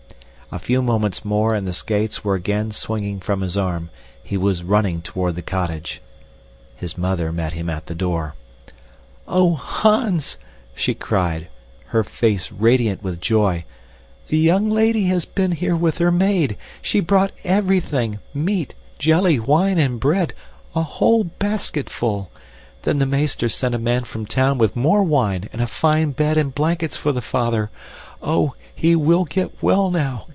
A few moments more and the skates were again swinging from his arm. He was running toward the cottage. His mother met him at the door. "Oh, Hans!" she cried, her face radiant with joy, "the young lady has been here with her maid. She brought everything meat, jelly, wine, and bread a whole basketful! Then the meester sent a man from town with more wine and a fine bed and blankets for the father. Oh! he will get well now.